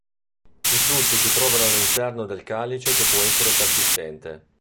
I frutti si trovano all'interno del calice che può essere persistente.